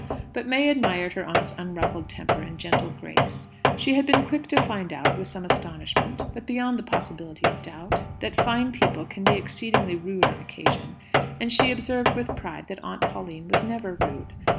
But May admired her aunt's unruffled temper and gentle grace. She had been quick to find out with some astonishment, but beyond the possibility of doubt that fine people can be exceedingly rude on occasion; and she observed with pride that Aunt Pauline was never rude.